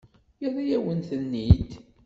Yerra-yawen-ten-id?